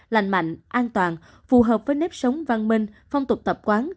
lành mạnh an toàn phù hợp với nếp sống văn minh phong tục tập quán